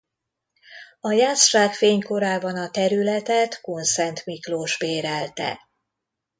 A jászság fénykorában a területet Kunszentmiklós bérelte.